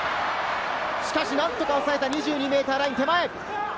しかし、なんとか抑えた２２ｍライン手前。